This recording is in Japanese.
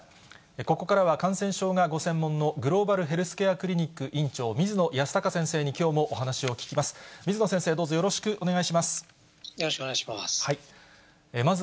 ここからは感染症がご専門のグローバルヘルスケアクリニック院長、水野泰孝先生に、きょうもお話を聞きます。